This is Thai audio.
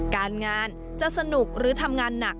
การงานจะสนุกหรือทำงานหนัก